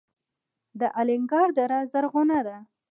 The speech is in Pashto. د الینګار دره زرغونه ده